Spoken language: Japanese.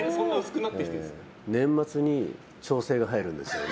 年末に調整が入るんですよね。